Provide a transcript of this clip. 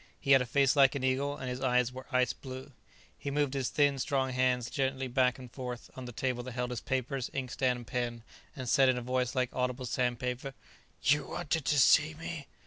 He had a face like an eagle, and his eyes were ice blue. He moved his thin, strong hands gently back and forth on the table that held his papers, inkstand and pen, and said in a voice like audible sandpaper: "You wanted to see me."